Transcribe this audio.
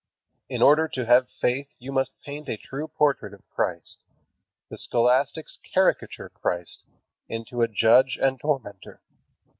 In order to have faith you must paint a true portrait of Christ. The scholastics caricature Christ into a judge and tormentor.